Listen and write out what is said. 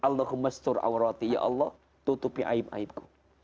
allahumma astur awrati ya allah tutupi aib aibku